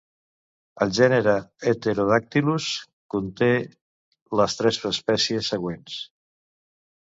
El gènere "Heterodactylus" conté les tres espècies següents.